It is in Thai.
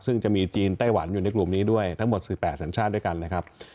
ซึ่งจะมีจีนไต้หวันอยู่ในกลุ่มนี้ด้วยทั้งหมด๑๘สัญชาติด้วยกันนะครับ